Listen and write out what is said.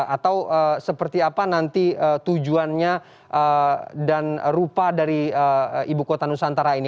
atau seperti apa nanti tujuannya dan rupa dari ibu kota nusantara ini